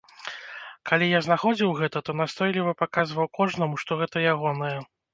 Калі я знаходзіў гэта, то настойліва паказваў кожнаму, што гэта ягонае.